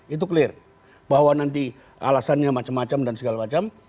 itu clear bahwa nanti alasannya macam macam dan segala macam